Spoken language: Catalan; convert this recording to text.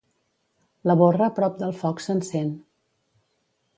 La borra prop del foc s'encén.